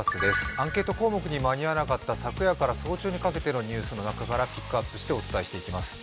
アンケート項目に間に合わなかった昨夜から早朝にかけてのニュースの中からピックアップしてお伝えします。